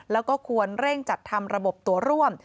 แล้วก็ควรเร่งจัดทำระบบตัวร่วม